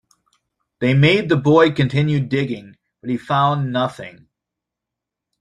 They made the boy continue digging, but he found nothing.